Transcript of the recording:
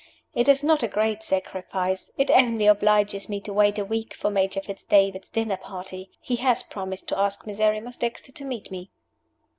It is not a great sacrifice it only obliges me to wait a week for Major Fitz David's dinner party. He has promised to ask Miserrimus Dexter to meet me."